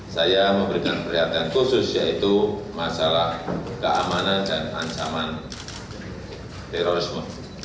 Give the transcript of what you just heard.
saya memberikan perhatian khusus yaitu masalah keamanan dan ancaman terorisme